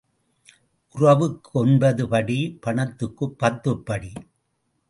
உறவுக்கு ஒன்பது படி பணத்துக்குப் பத்துப் படி.